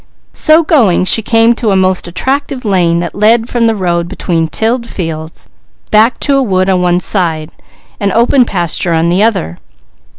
So going she came to a most attractive lane that led from the road between tilled fields, back to a wood on one side, and open pasture on the other.